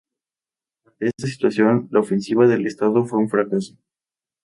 Ante esta situación, la ofensiva del Estado fue un fracaso.